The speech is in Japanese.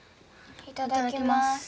いただきます。